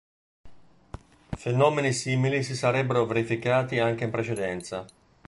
Fenomeni simili si sarebbero verificati anche in precedenza.